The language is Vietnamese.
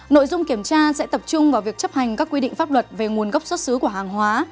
nội dung kiểm tra sẽ tập trung vào việc chấp hành các quy định pháp luật về nguồn gốc xuất xứ của hàng hóa